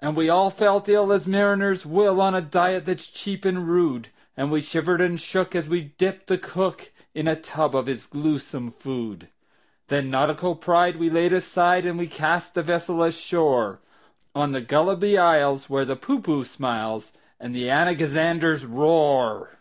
And we all felt ill as mariners will, On a diet that's cheap and rude; And we shivered and shook as we dipped the cook In a tub of his gluesome food. Then nautical pride we laid aside, And we cast the vessel ashore On the Gulliby Isles, where the Poohpooh smiles, And the Anagazanders roar.